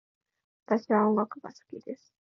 私は音楽が好きです。